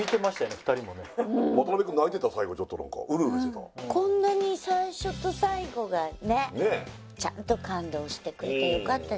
２人もね渡辺くん泣いてた最後ちょっと何かうるうるしてたこんなに最初と最後がねっねっちゃんと感動してくれてよかったです